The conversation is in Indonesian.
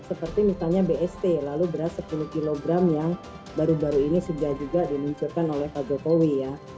seperti misalnya bst lalu beras sepuluh kg yang baru baru ini sudah juga diluncurkan oleh pak jokowi ya